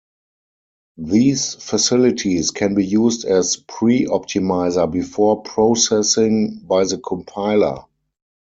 These facilities can be used as pre-optimizer before processing by the compiler.